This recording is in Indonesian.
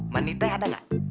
mandi teh ada gak